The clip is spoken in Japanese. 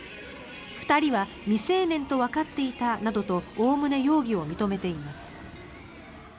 ２人は未成年とわかっていたなどとおおむね容疑を認めています。